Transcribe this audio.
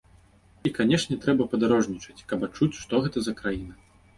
І, канечне, трэба падарожнічаць, каб адчуць, што гэта за краіна.